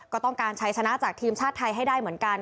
ก็ต้องการใช้ชนะจากทีมชาติไทยให้ได้เหมือนกัน